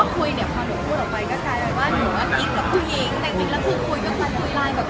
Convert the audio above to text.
เคยเป็นแน่เลยหรืออะไรอย่างเงี้ย